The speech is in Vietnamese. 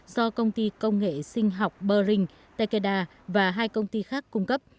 do công ty công nghệ sinh học bering tekeda và hai công ty khác cung cấp